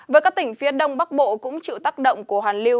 với các tỉnh phía đông bắc bộ cũng chịu tác động của hoàn lưu